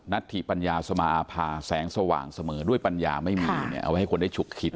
นัทธิปัญญาสมาภาแสงสว่างเสมอด้วยปัญญาไม่มีเอาไว้ให้คนได้ฉุกคิด